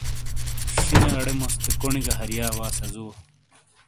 شِینگے اڑے موس تھے کونْی گہ ہرََیا وا سہ زُوو۔